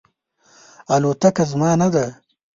الوتکه زما نه ده